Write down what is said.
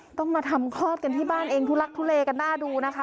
ต้องมาทำคลอดกันที่บ้านเองทุลักทุเลกันน่าดูนะคะ